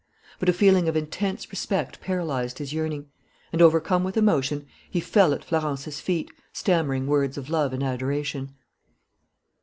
But a feeling of intense respect paralyzed his yearning. And, overcome with emotion, he fell at Florence's feet, stammering words of love and adoration.